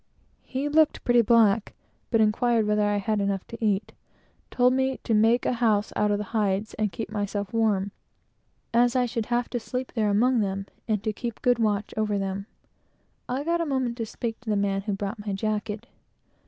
He looked pretty black, but inquired whether I had enough to eat; told me to make a house out of the hides, and keep myself warm, as I should have to sleep there among them, and to keep good watch over them. I got a moment to speak to the man who brought my jacket.